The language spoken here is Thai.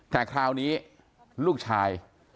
แต่คราวนี้ลูกชาย